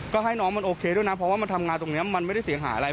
ก็ให้น้องมันโอเคด้วยนะเพราะว่ามันทำงานตรงนี้มันไม่ได้เสียหายอะไร